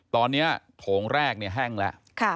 ตอนนี้โถงแรกแห้งแล้ว